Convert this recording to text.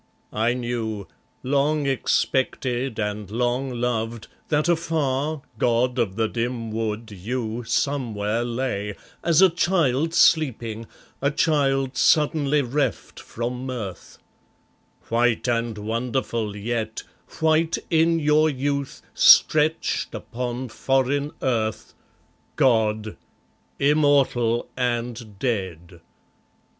I knew Long expected and long loved, that afar, God of the dim wood, you Somewhere lay, as a child sleeping, a child suddenly reft from mirth, White and wonderful yet, white in your youth, stretched upon foreign earth, God, immortal and dead!